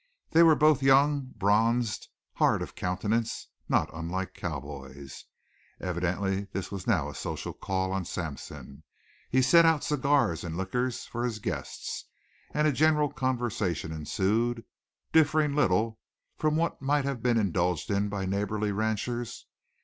They were both young, bronzed, hard of countenance, not unlike cowboys. Evidently this was now a social call on Sampson. He set out cigars and liquors for his guests, and a general conversation ensued, differing little from what might have been indulged in by neighborly ranchers.